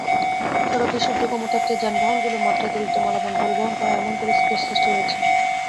সড়কের সহ্য-ক্ষমতার চেয়ে যানবাহনগুলো মাত্রাতিরিক্ত মালামাল পরিবহন করায় এমন পরিস্থিতির সৃষ্টি হয়েছে।